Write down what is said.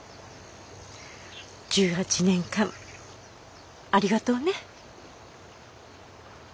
１８年間ありがとうね。